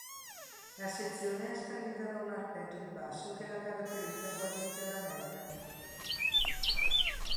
La sezione è scandita da un arpeggio di basso che la caratterizza quasi interamente.